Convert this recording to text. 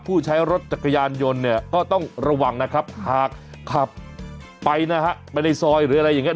ผู้ใช้รถจักรยานยนต์เนี่ยก็ต้องระวังนะครับหากขับไปนะฮะไปในซอยหรืออะไรอย่างเง